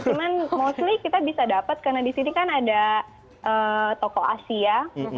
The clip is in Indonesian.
cuma mostly kita bisa dapat karena di sini kan ada toko asia